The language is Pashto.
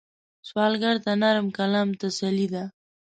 سوالګر ته نرم کلام تسلي ده